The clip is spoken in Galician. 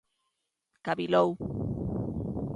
Cavilou.